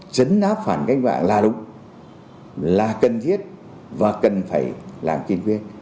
chấn áp phản cách mạng là đúng là cần thiết và cần phải làm chính quyền